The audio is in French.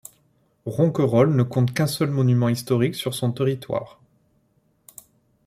Ronquerolles ne compte qu'un seul monument historique sur son territoire.